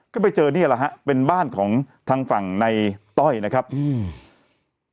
ก็ไปเจอนี่แหละฮะเป็นบ้านของทางฝั่งในต้อยนะครับอืม